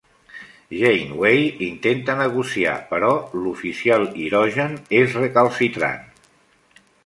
Janeway intenta negociar però l'oficial hirògen és recalcitrant.